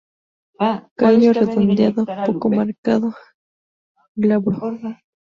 Callo redondeado, poco marcado, glabro.